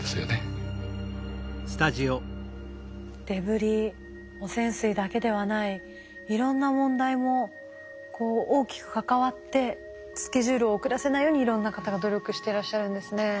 デブリ汚染水だけではないいろんな問題もこう大きく関わってスケジュールを遅らせないようにいろんな方が努力してらっしゃるんですね。